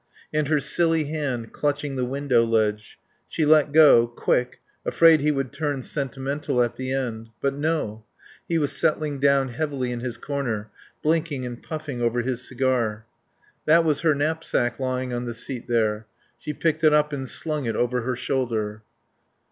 And her silly hand clutching the window ledge. She let go, quick, afraid he would turn sentimental at the end. But no; he was settling down heavily in his corner, blinking and puffing over his cigar. That was her knapsack lying on the seat there. She picked it up and slung it over her shoulder.